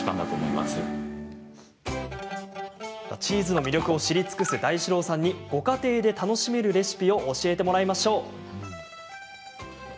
チーズの魅力を知り尽くす大志郎さんにご家庭で楽しめるレシピを教えてもらいましょう。